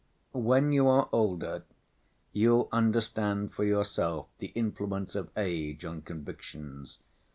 "When you are older, you'll understand for yourself the influence of age on convictions.